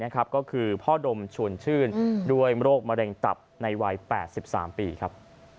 ก็คือพ่อดมชวนชื่นด้วยโรคมะเร็งตับในวัย๘๓ปีครับ